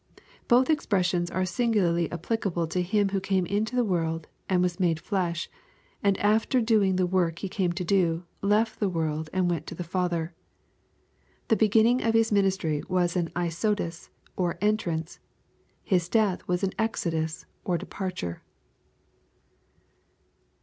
Both expressions are singularly applicable to Him who came into the world and was made flesh, and after doing the work He came to do, left the world and went to the Father. The beginning of His ministry was an "Eisodus," or entrance; His death, an "Exodus," or depar ture.